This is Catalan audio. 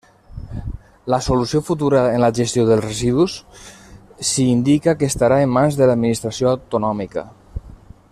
La solució futura en la gestió dels residus s'hi indica que estarà en mans de l'administració autonòmica.